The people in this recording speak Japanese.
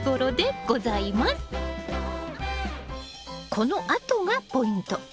このあとがポイント。